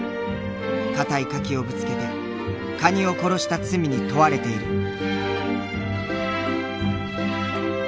かたい柿をぶつけてカニを殺した罪に問われている。